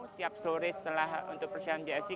setiap sore setelah untuk persiapan jis